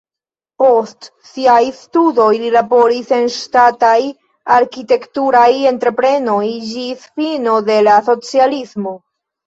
Post siaj studoj li laboris en ŝtataj arkitekturaj entreprenoj ĝis fino de la socialismo.